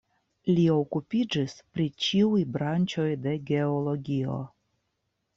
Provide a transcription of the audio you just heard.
Li okupiĝis pri ĉiuj branĉoj de geologio.